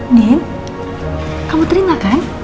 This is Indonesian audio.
andin kamu terima kan